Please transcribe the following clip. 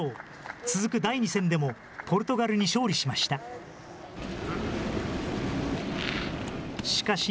続く第２戦でも、ポルトガルに勝利しました。